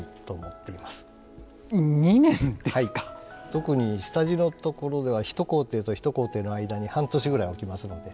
特に下地のところが一工程と一工程の間に半年ぐらい置きますので。